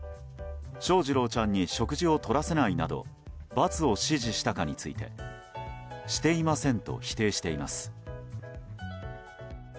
翔士郎ちゃんに食事をとらせないなど罰を指示したかについてしていませんと否定しています。